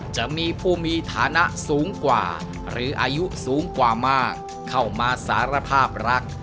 จะมีผู้มีฐานะสูงกว่าหรืออายุสูงกว่ามากเข้ามาสารภาพรัก